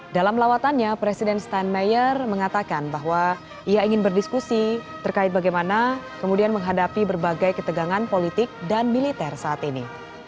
dalam lawatannya presiden steinmeyer mengatakan bahwa ia ingin berdiskusi terkait bagaimana kemudian menghadapi berbagai ketegangan politik dan militer saat ini